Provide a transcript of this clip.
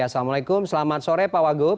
assalamualaikum selamat sore pak wagub